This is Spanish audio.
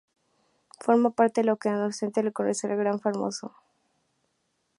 Forma parte de lo que en adelante se conocerá el Gran Formosa.